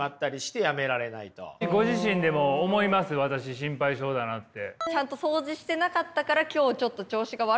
私心配性だなって。